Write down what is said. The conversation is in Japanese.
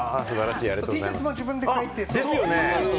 Ｔシャツも自分で描いてます。